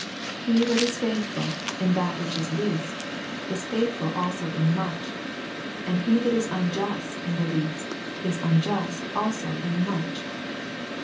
"He that is faithful in that which is least, is faithful also in much ; and he that is unjust in the least, is unjust also in much."